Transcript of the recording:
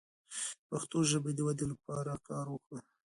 د پښتو ژبې د ودې لپاره کار وکړو.